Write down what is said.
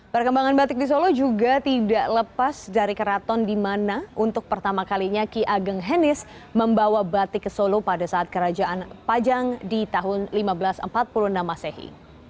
perkembangan batik di solo juga tidak lepas dari keraton di mana untuk pertama kalinya ki ageng henis membawa batik ke solo pada saat kerajaan pajang di tahun seribu lima ratus empat puluh enam masehi